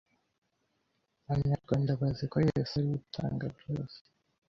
Abanyarwanda bazi ko Yesu ari yo itanga byose